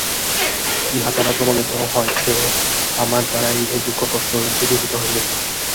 ইহা দ্বারা প্রমাণিত হয় যে, আমার দ্বারাই এই দুঃখকষ্ট দূরীভূত হইবে।